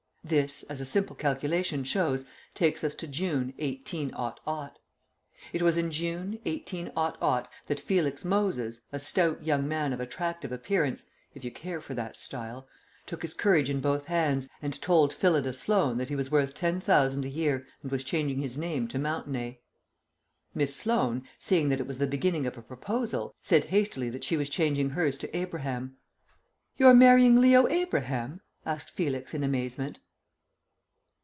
This, as a simple calculation shows, takes us to June, 18 . It was in June, 18 that Felix Moses, a stout young man of attractive appearance (if you care for that style), took his courage in both hands, and told Phyllida Sloan that he was worth ten thousand a year and was changing his name to Mountenay. Miss Sloan, seeing that it was the beginning of a proposal, said hastily that she was changing hers to Abraham. "You're marrying Leo Abraham?" asked Felix in amazement.